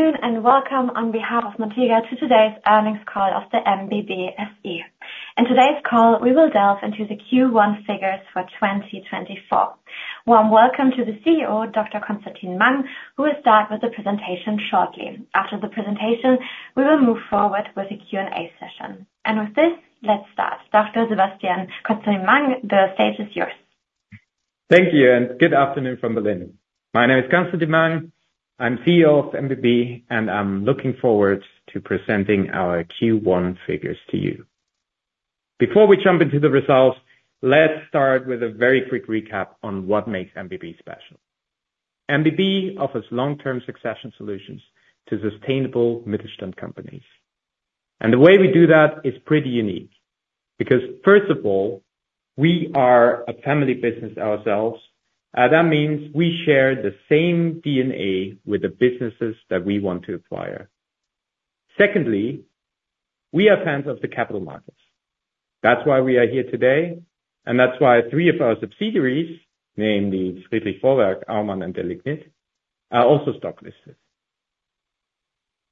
Welcome on behalf of Montega to today's earnings call of the MBB SE. In today's call, we will delve into the Q1 figures for 2024. Warm welcome to the CEO, Dr. Constantin Mang, who will start with the presentation shortly. After the presentation, we will move forward with the Q&A session. With this, let's start. Dr. Constantin Mang, the stage is yours. Thank you, and good afternoon from Berlin. My name is Constantin Mang. I'm CEO of MBB, and I'm looking forward to presenting our Q1 figures to you. Before we jump into the results, let's start with a very quick recap on what makes MBB special. MBB offers long-term succession solutions to sustainable Mittelstand companies, and the way we do that is pretty unique, because, first of all, we are a family business ourselves. That means we share the same DNA with the businesses that we want to acquire. Secondly, we are fans of the capital markets. That's why we are here today, and that's why three of our subsidiaries, namely Friedrich Vorwerk, Aumann and Delignit, are also stocklisted.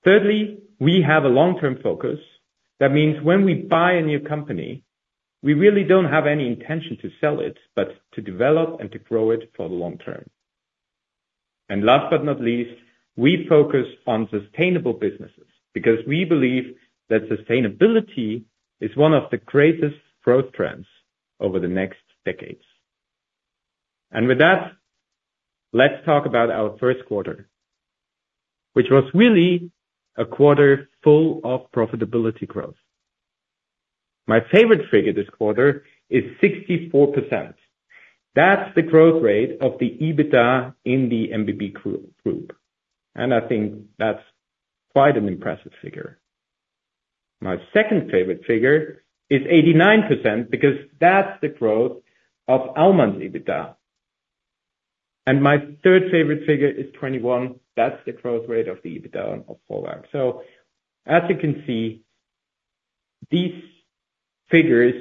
Thirdly, we have a long-term focus. That means when we buy a new company, we really don't have any intention to sell it, but to develop and to grow it for the long term. And last but not least, we focus on sustainable businesses, because we believe that sustainability is one of the greatest growth trends over the next decades. And with that, let's talk about our first quarter, which was really a quarter full of profitability growth. My favorite figure this quarter is 64%. That's the growth rate of the EBITDA in the MBB group, and I think that's quite an impressive figure. My second favorite figure is 89%, because that's the growth of Aumann's EBITDA. And my third favorite figure is 21. That's the growth rate of the EBITDA of Vorwerk. So as you can see, these figures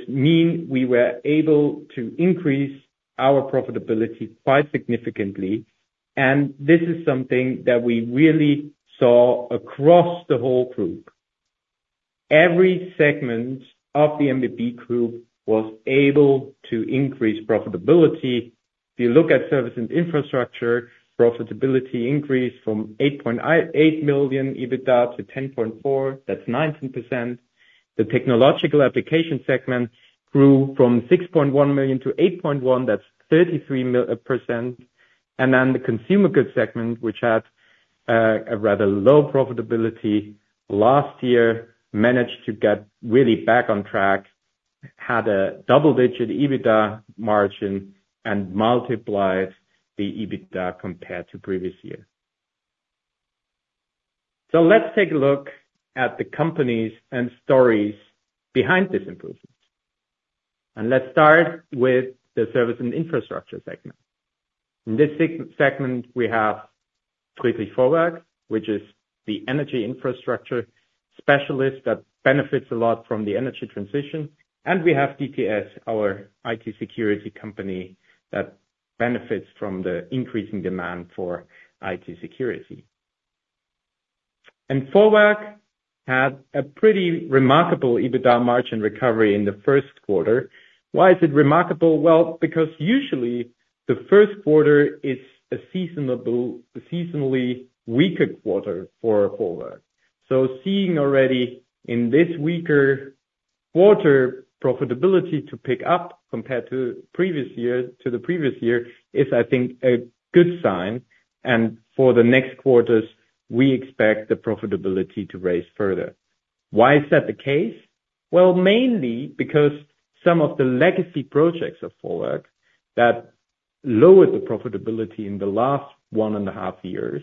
mean we were able to increase our profitability quite significantly, and this is something that we really saw across the whole group. Every segment of the MBB group was able to increase profitability. If you look at service and infrastructure, profitability increased from 8 million EBITDA to 10.4 million, that's 19%. The technological application segment grew from 6.1 million-8.1 million, that's 33%. And then the consumer goods segment, which had a rather low profitability last year, managed to get really back on track, had a double-digit EBITDA margin and multiplied the EBITDA compared to previous year. So let's take a look at the companies and stories behind this improvement, and let's start with the service and infrastructure segment. In this segment, we have Friedrich Vorwerk, which is the energy infrastructure specialist that benefits a lot from the energy transition, and we have DTS, our IT security company, that benefits from the increasing demand for IT security. Vorwerk had a pretty remarkable EBITDA margin recovery in the first quarter. Why is it remarkable? Well, because usually, the first quarter is a seasonally weaker quarter for Vorwerk. So seeing already in this weaker quarter, profitability to pick up compared to previous year, to the previous year, is, I think, a good sign, and for the next quarters, we expect the profitability to raise further. Why is that the case? Well, mainly because some of the legacy projects of Vorwerk that lowered the profitability in the last one and a half years,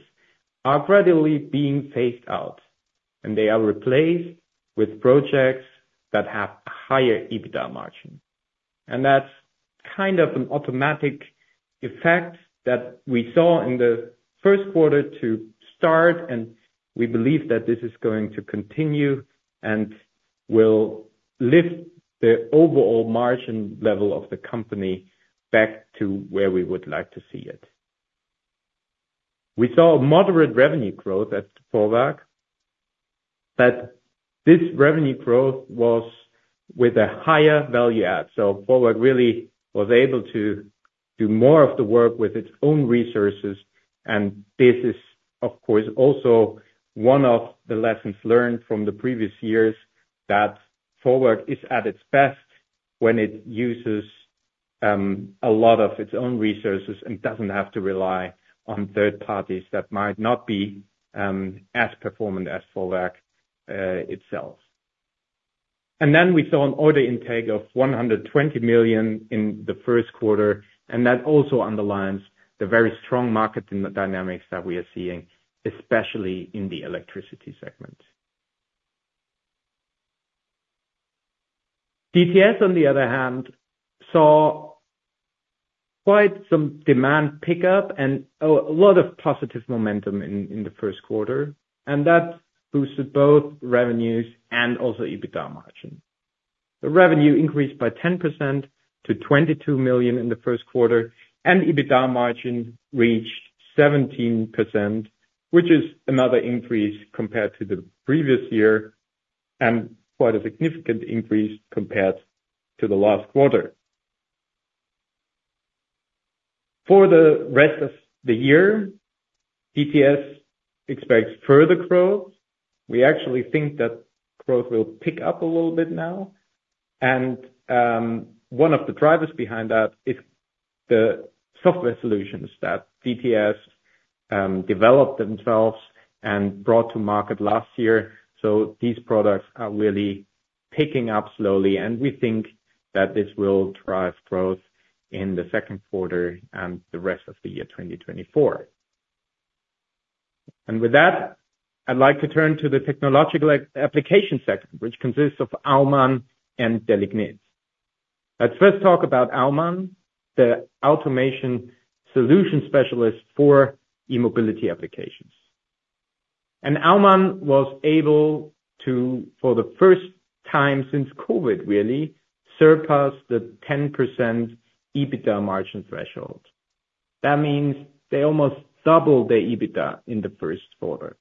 are gradually being phased out, and they are replaced with projects that have higher EBITDA margin. That's kind of an automatic effect that we saw in the first quarter to start, and we believe that this is going to continue and will lift the overall margin level of the company back to where we would like to see it. We saw a moderate revenue growth at Vorwerk, but this revenue growth was with a higher value add. So Vorwerk really was able to do more of the work with its own resources, and this is, of course, also one of the lessons learned from the previous years, that Vorwerk is at its best when it uses a lot of its own resources and doesn't have to rely on third parties that might not be as performant as Vorwerk itself. And then we saw an order intake of 120 million in the first quarter, and that also underlines the very strong market dynamics that we are seeing, especially in the electricity segment. DTS, on the other hand, saw quite some demand pickup and a lot of positive momentum in the first quarter, and that boosted both revenues and also EBITDA margin. The revenue increased by 10% to 22 million in the first quarter, and EBITDA margin reached 17%, which is another increase compared to the previous year, and quite a significant increase compared to the last quarter. For the rest of the year, DTS expects further growth. We actually think that growth will pick up a little bit now, and one of the drivers behind that is the software solutions that DTS developed themselves and brought to market last year. So these products are really picking up slowly, and we think that this will drive growth in the second quarter and the rest of the year, 2024. And with that, I'd like to turn to the technological application sector, which consists of Aumann and Delignit. Let's first talk about Aumann, the automation solution specialist for e-mobility applications. And Aumann was able to, for the first time since COVID, really, surpass the 10% EBITDA margin threshold. That means they almost doubled their EBITDA in the first quarter.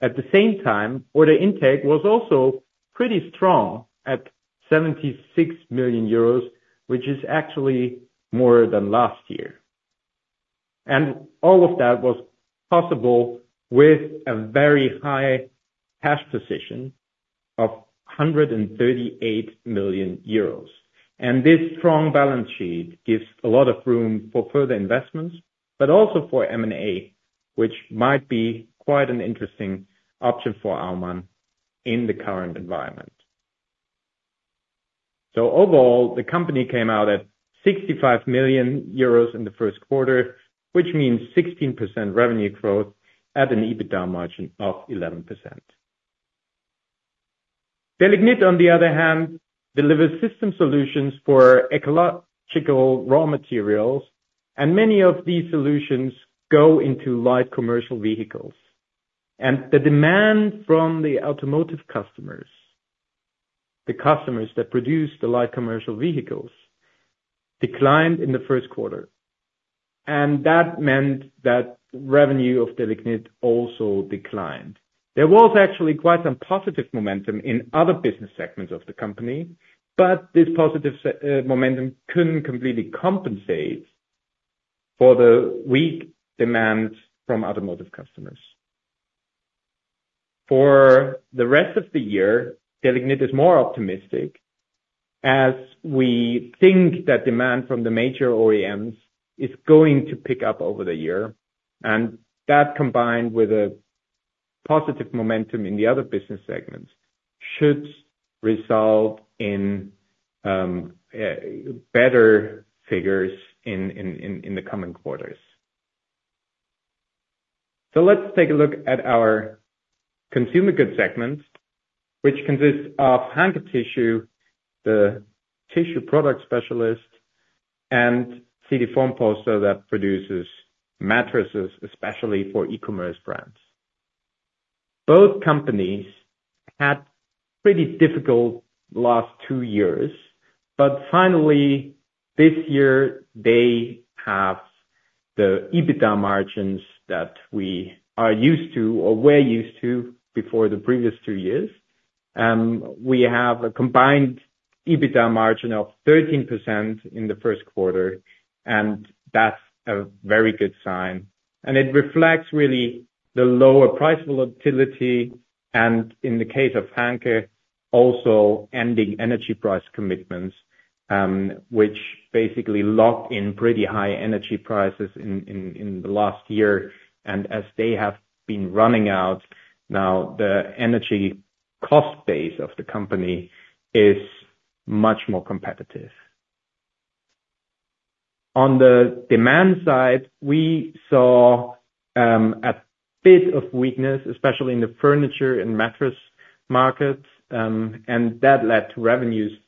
At the same time, order intake was also pretty strong at 76 million euros, which is actually more than last year. And all of that was possible with a very high cash position of 138 million euros. This strong balance sheet gives a lot of room for further investments, but also for M&A, which might be quite an interesting option for Aumann in the current environment. So overall, the company came out at 65 million euros in the first quarter, which means 16% revenue growth at an EBITDA margin of 11%. Delignit, on the other hand, delivers system solutions for ecological raw materials, and many of these solutions go into light commercial vehicles. And the demand from the automotive customers, the customers that produce the light commercial vehicles, declined in the first quarter, and that meant that revenue of Delignit also declined. There was actually quite some positive momentum in other business segments of the company, but this positive momentum couldn't completely compensate for the weak demand from automotive customers. For the rest of the year, Delignit is more optimistic, as we think that demand from the major OEMs is going to pick up over the year, and that, combined with a positive momentum in the other business segments, should result in a better figures in the coming quarters. So let's take a look at our consumer goods segment, which consists of Hanke Tissue, the tissue product specialist, and CT Formpolster, that produces mattresses, especially for e-commerce brands. Both companies had pretty difficult last two years, but finally, this year, they have the EBITDA margins that we are used to or were used to before the previous two years. We have a combined EBITDA margin of 13% in the first quarter, and that's a very good sign. It reflects really the lower price volatility, and in the case of Hanke, also ending energy price commitments, which basically locked in pretty high energy prices in the last year. And as they have been running out, now the energy cost base of the company is much more competitive. On the demand side, we saw a bit of weakness, especially in the furniture and mattress markets, and that led to revenues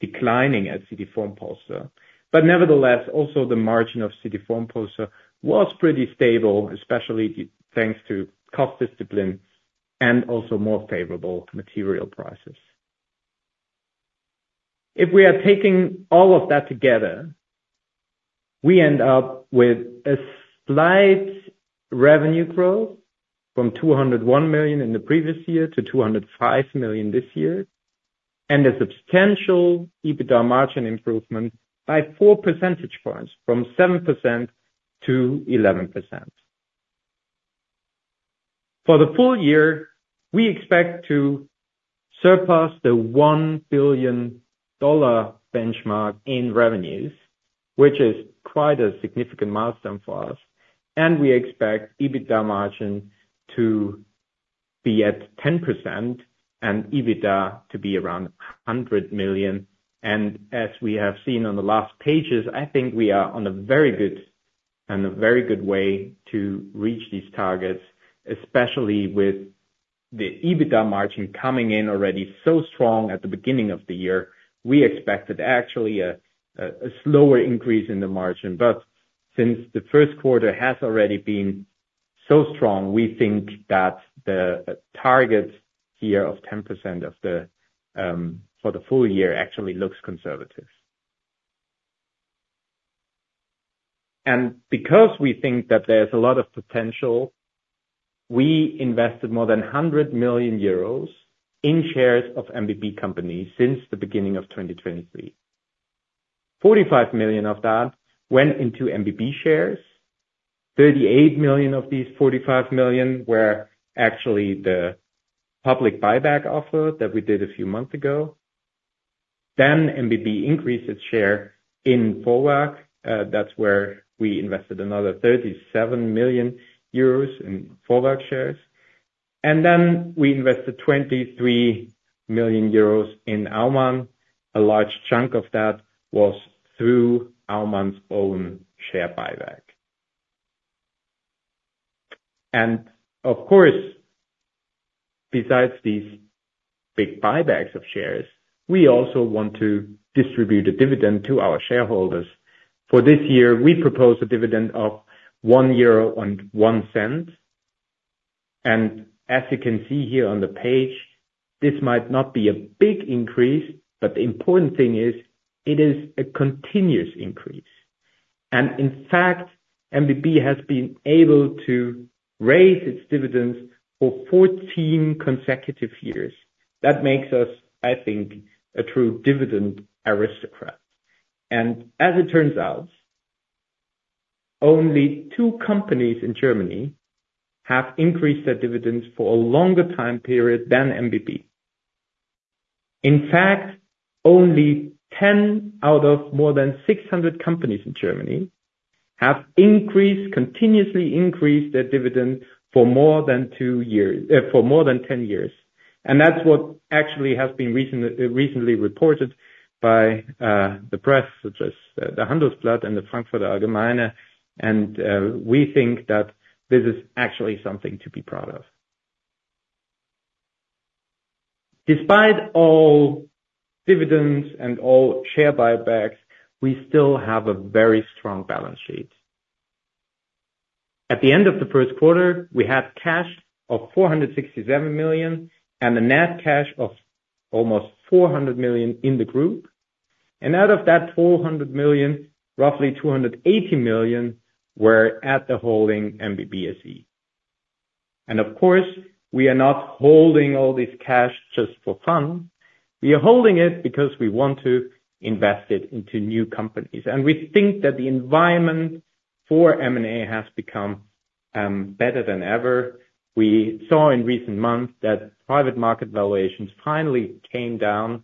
declining at CT Formpolster. But nevertheless, also the margin of CT Formpolster was pretty stable, especially thanks to cost discipline and also more favorable material prices. If we are taking all of that together, we end up with a slight revenue growth from 201 million to 205 million this year, and a substantial EBITDA margin improvement by 4 percentage points, from 7% to 11%. For the full year, we expect to surpass the $1 billion benchmark in revenues, which is quite a significant milestone for us, and we expect EBITDA margin to be at 10% and EBITDA to be around 100 million. As we have seen on the last pages, I think we are on a very good, on a very good way to reach these targets, especially with the EBITDA margin coming in already so strong at the beginning of the year. We expected actually a slower increase in the margin, but since the first quarter has already been so strong, we think that the target here of 10% for the full year actually looks conservative. And because we think that there's a lot of potential, we invested more than 100 million euros in shares of MBB companies since the beginning of 2023. 45 million of that went into MBB shares. 38 million of these 45 million were actually the public buyback offer that we did a few months ago. Then MBB increased its share in Vorwerk. That's where we invested another 37 million euros in Vorwerk shares, and then we invested 23 million euros in Aumann. A large chunk of that was through Aumann's own share buyback. Of course, besides these big buybacks of shares, we also want to distribute a dividend to our shareholders. For this year, we propose a dividend of 1.01 euro. As you can see here on the page, this might not be a big increase, but the important thing is, it is a continuous increase. In fact, MBB has been able to raise its dividends for 14 consecutive years. That makes us, I think, a true dividend aristocrat. As it turns out, only two companies in Germany have increased their dividends for a longer time period than MBB. In fact, only 10 out of more than 600 companies in Germany have increased, continuously increased their dividend for more than two years, for more than 10 years. That's what actually has been recently reported by the press, such as the Handelsblatt and the Frankfurter Allgemeine, and we think that this is actually something to be proud of. Despite all dividends and all share buybacks, we still have a very strong balance sheet. At the end of the first quarter, we had cash of 467 million, and a net cash of almost 400 million in the group. Out of that 400 million, roughly 280 million were at the holding MBB SE. Of course, we are not holding all this cash just for fun. We are holding it because we want to invest it into new companies, and we think that the environment for M&A has become better than ever. We saw in recent months that private market valuations finally came down,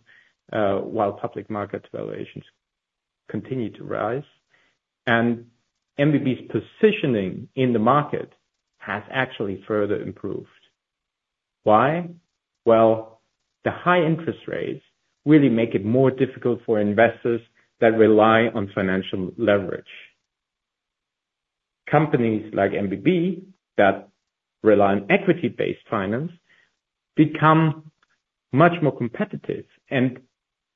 while public market valuations continued to rise, and MBB's positioning in the market has actually further improved. Why? Well, the high interest rates really make it more difficult for investors that rely on financial leverage. Companies like MBB, that rely on equity-based finance, become much more competitive, and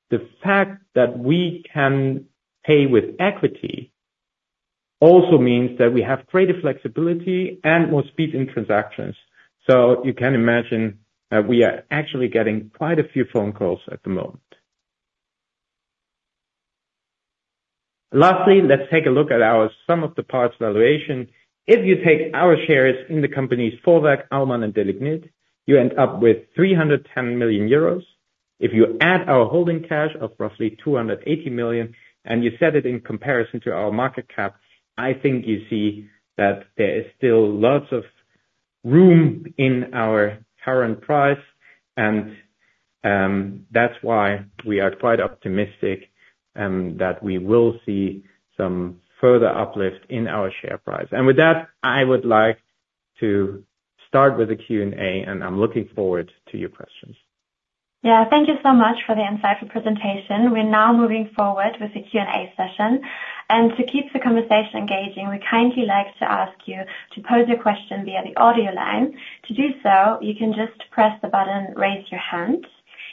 the fact that we can pay with equity also means that we have greater flexibility and more speed in transactions. So you can imagine that we are actually getting quite a few phone calls at the moment. Lastly, let's take a look at our sum of the parts valuation. If you take our shares in the companies Aumann and Delignit, you end up with 310 million euros. If you add our holding cash of roughly 280 million, and you set it in comparison to our market cap, I think you see that there is still lots of room in our current price, and that's why we are quite optimistic that we will see some further uplift in our share price. And with that, I would like to start with the Q&A, and I'm looking forward to your questions. Yeah, thank you so much for the insightful presentation. We're now moving forward with the Q&A session. And to keep the conversation engaging, we'd kindly like to ask you to pose your question via the audio line. To do so, you can just press the button, Raise Your Hand.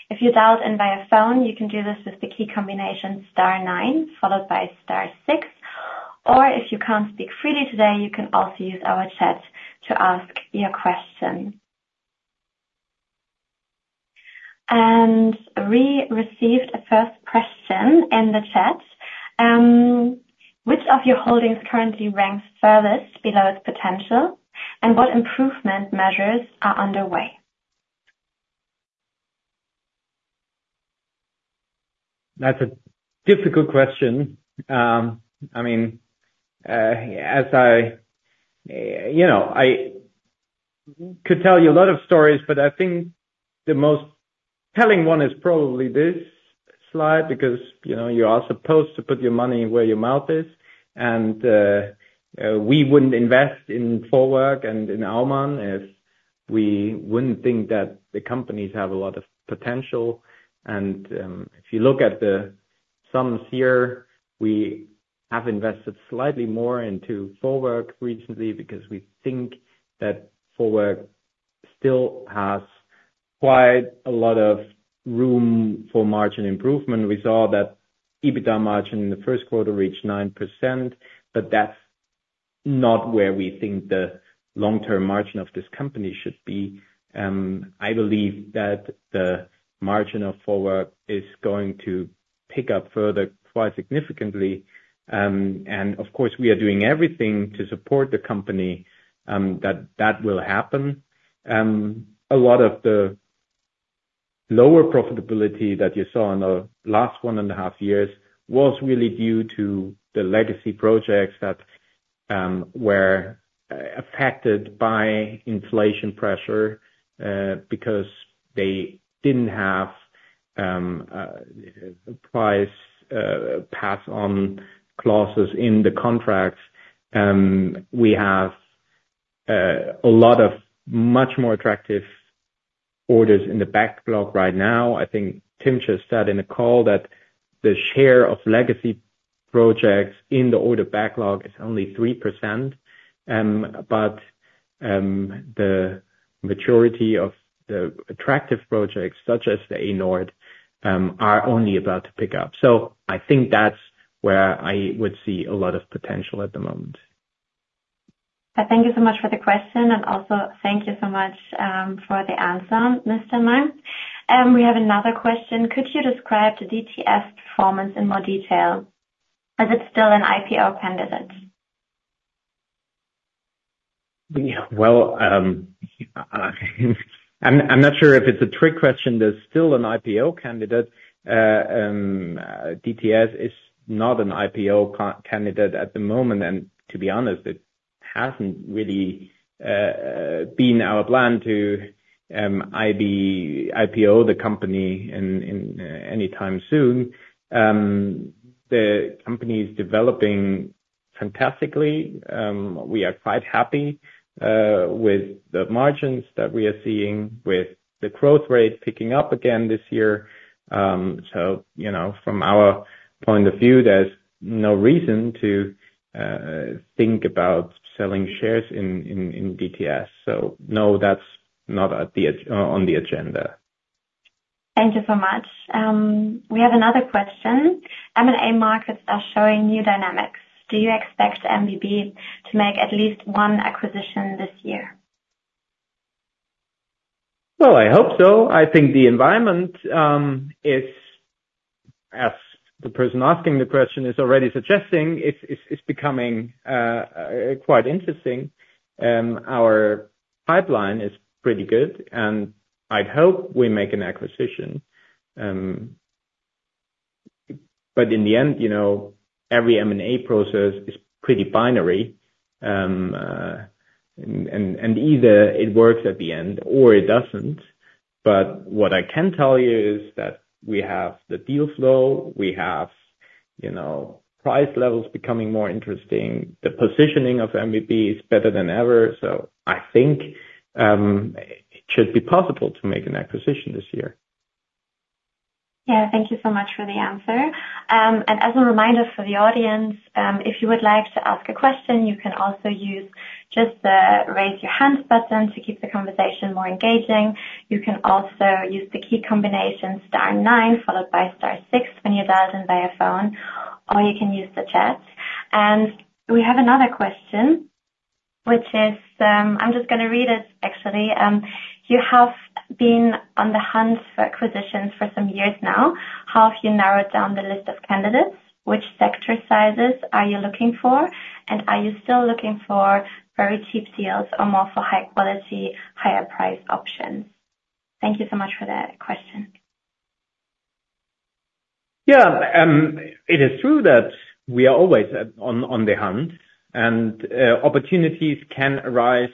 If you dialed in via phone, you can do this with the key combination star nine, followed by star six, or if you can't speak freely today, you can also use our chat to ask your question. And we received a first question in the chat. Which of your holdings currently ranks furthest below its potential, and what improvement measures are underway? That's a difficult question. I mean, as I, you know, I could tell you a lot of stories, but I think the most telling one is probably this slide, because, you know, you are supposed to put your money where your mouth is, and, we wouldn't invest in Delignit and in Aumann if we wouldn't think that the companies have a lot of potential. And, if you look at the sums here, we have invested slightly more into Delignit recently because we think that Delignit still has quite a lot of room for margin improvement. We saw that EBITDA margin in the first quarter reached 9%, but that's not where we think the long-term margin of this company should be. I believe that the margin of Vorwerk is going to pick up further, quite significantly. Of course, we are doing everything to support the company, that will happen. A lot of the lower profitability that you saw in the last one and a half years was really due to the legacy projects that were affected by inflation pressure, because they didn't have price pass on clauses in the contracts. We have a lot of much more attractive orders in the backlog right now. I think Tim just said in the call that the share of legacy projects in the order backlog is only 3%. But, the majority of the attractive projects, such as the A-Nord, are only about to pick up. So I think that's where I would see a lot of potential at the moment. Thank you so much for the question, and also thank you so much for the answer, Mr. Mang. We have another question: Could you describe the DTS performance in more detail? Is it still an IPO candidate? Well, I'm not sure if it's a trick question. There's still an IPO candidate. DTS is not an IPO candidate at the moment, and to be honest, it hasn't really been our plan to IPO the company in anytime soon. The company is developing fantastically. We are quite happy with the margins that we are seeing with the growth rate picking up again this year. So, you know, from our point of view, there's no reason to think about selling shares in DTS. So no, that's not on the agenda. Thank you so much. We have another question. M&A markets are showing new dynamics. Do you expect MBB to make at least one acquisition this year? Well, I hope so. I think the environment is, as the person asking the question is already suggesting, it's becoming quite interesting. Our pipeline is pretty good, and I'd hope we make an acquisition. But in the end, you know, every M&A process is pretty binary, and either it works at the end or it doesn't. But what I can tell you is that we have the deal flow, we have, you know, price levels becoming more interesting. The positioning of MBB is better than ever, so I think it should be possible to make an acquisition this year. Yeah. Thank you so much for the answer. And as a reminder for the audience, if you would like to ask a question, you can also use just the Raise Your Hand button to keep the conversation more engaging. You can also use the key combination star nine, followed by star six, when you dial in via phone, or you can use the chat. And we have another question, which is. I'm just gonna read it actually. You have been on the hunt for acquisitions for some years now. How have you narrowed down the list of candidates? Which sector sizes are you looking for? And are you still looking for very cheap deals or more for high quality, higher price options? Thank you so much for that question. Yeah. It is true that we are always on the hunt, and opportunities can arise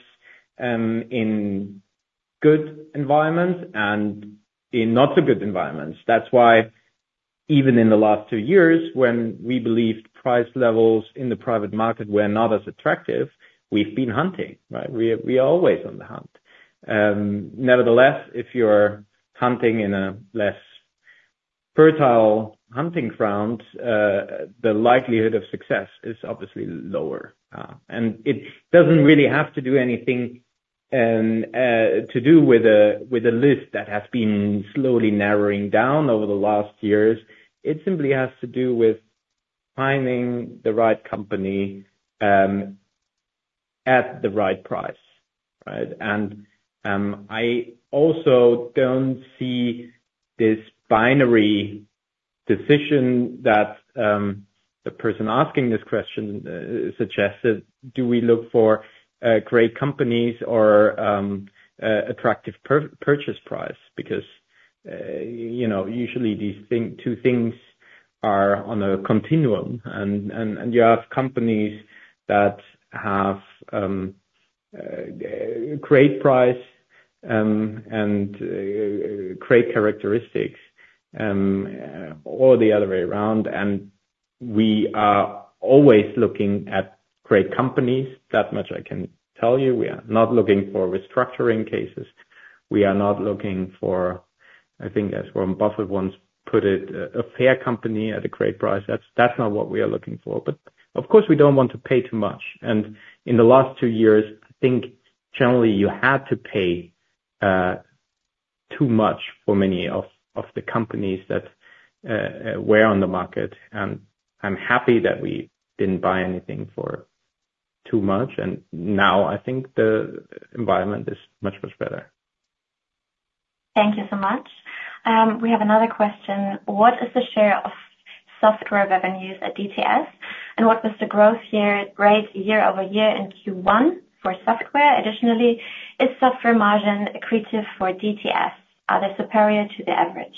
in good environments and in not so good environments. That's why even in the last two years, when we believed price levels in the private market were not as attractive, we've been hunting, right? We are always on the hunt. Nevertheless, if you're hunting in a less fertile hunting ground, the likelihood of success is obviously lower, and it doesn't really have to do anything to do with a list that has been slowly narrowing down over the last years. It simply has to do with finding the right company at the right price, right? And, I also don't see this binary decision that the person asking this question suggested: Do we look for great companies or attractive purchase price? Because, you know, usually these two things are on a continuum, and you have companies that have great price and great characteristics, or the other way around, and we are always looking at great companies. That much I can tell you. We are not looking for restructuring cases. We are not looking for. I think as Warren Buffett once put it, a fair company at a great price, that's not what we are looking for. But of course, we don't want to pay too much. In the last two years, I think generally you had to pay too much for many of the companies that were on the market, and I'm happy that we didn't buy anything for too much, and now I think the environment is much, much better. Thank you so much. We have another question: What is the share of software revenues at DTS? And what was the growth rate year over year in Q1 for software? Additionally, is software margin accretive for DTS? Are they superior to the average?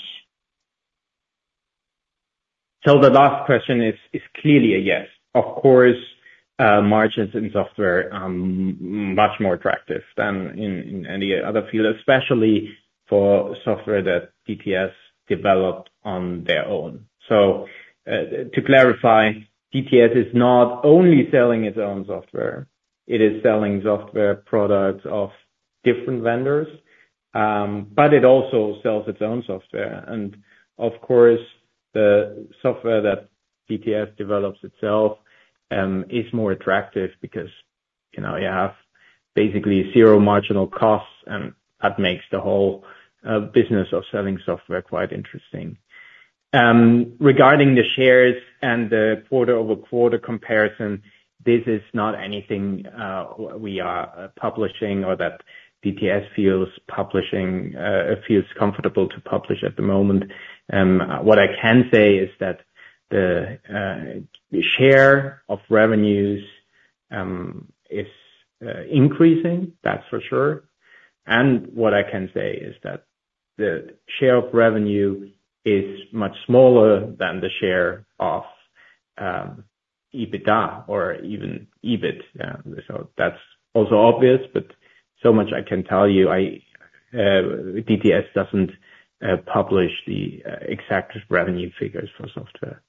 So the last question is clearly a yes. Of course, margins in software much more attractive than in any other field, especially for software that DTS developed on their own. So, to clarify, DTS is not only selling its own software, it is selling software products of different vendors, but it also sells its own software. And of course, the software that DTS develops itself is more attractive because, you know, you have basically zero marginal costs, and that makes the whole business of selling software quite interesting. Regarding the shares and the quarter-over-quarter comparison, this is not anything we are publishing or that DTS feels comfortable to publish at the moment. What I can say is that the share of revenues is increasing, that's for sure. What I can say is that the share of revenue is much smaller than the share of EBITDA or even EBIT. Yeah, so that's also obvious, but so much I can tell you, DTS doesn't publish the exact revenue figures for software.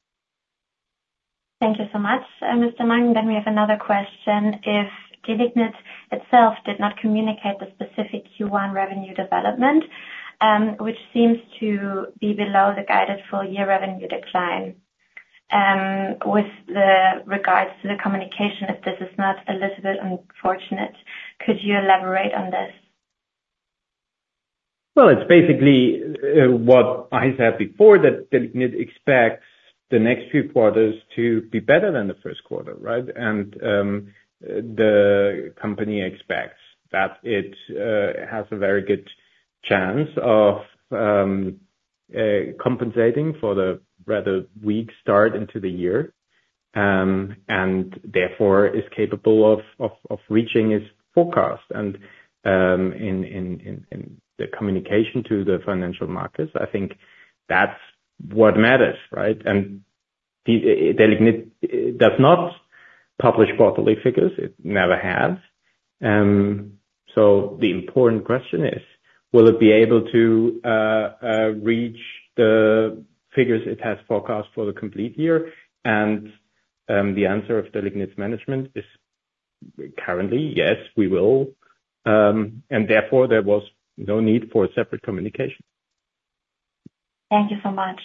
Thank you so much, Mr. Mang. Then we have another question: If Delignit itself did not communicate the specific Q1 revenue development, which seems to be below the guided full year revenue decline, with the regards to the communication, if this is not a little bit unfortunate, could you elaborate on this? Well, it's basically what I said before, that Delignit expects the next few quarters to be better than the first quarter, right? And the company expects that it has a very good chance of compensating for the rather weak start into the year and therefore is capable of reaching its forecast. And in the communication to the financial markets, I think that's what matters, right? And Delignit does not publish quarterly figures, it never has. So the important question is, will it be able to reach the figures it has forecast for the complete year? And the answer of Delignit's management is currently, yes, we will, and therefore there was no need for a separate communication. Thank you so much.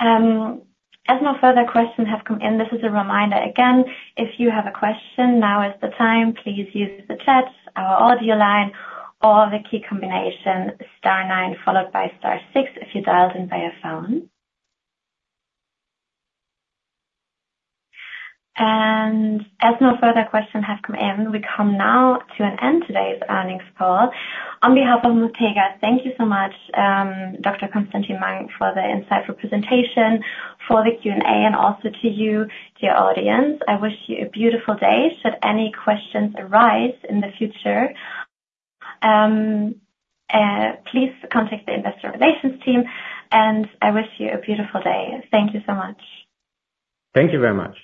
As no further questions have come in, this is a reminder, again, if you have a question, now is the time. Please use the chat, our audio line, or the key combination star nine, followed by star six, if you dialed in by a phone. And as no further questions have come in, we come now to an end today's earnings call. On behalf of Montega, thank you so much, Dr. Constantin Mang, for the insightful presentation, for the Q&A, and also to you, dear audience. I wish you a beautiful day. Should any questions arise in the future, please contact the investor relations team, and I wish you a beautiful day. Thank you so much. Thank you very much.